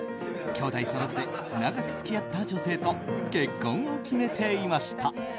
兄弟そろって長く付き合った女性と結婚を決めていました。